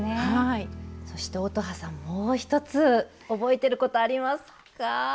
そして乙葉さんもう一つ覚えていることありますか？